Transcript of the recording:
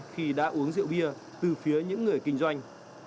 khi đã uống rượu bia từ phía những người kinh doanh